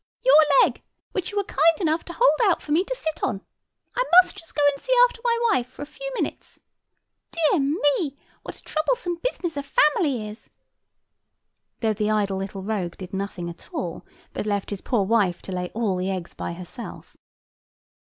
"Your leg, which you are kind enough to hold out for me to sit on. I must just go and see after my wife for a few minutes. Dear me! what a troublesome business a family is!" (though the idle little rogue did nothing at all, but left his poor wife to lay all the eggs by herself).